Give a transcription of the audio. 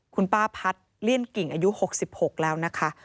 คุณป้าพัฒน์เลี่ยนกิ่งอายุ๖๖แล้วนะคะ